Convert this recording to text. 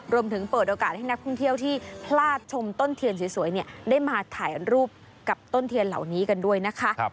เปิดโอกาสให้นักท่องเที่ยวที่พลาดชมต้นเทียนสวยได้มาถ่ายรูปกับต้นเทียนเหล่านี้กันด้วยนะคะ